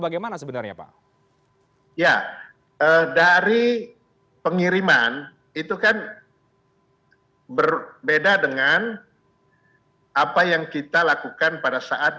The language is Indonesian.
bagaimana sebenarnya pak ya dari pengiriman itu kan berbeda dengan apa yang kita lakukan pada saat